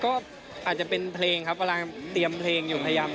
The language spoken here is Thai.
ก็อาจจะเป็นเพลงครับกำลังเตรียมเพลงอยู่พยายาม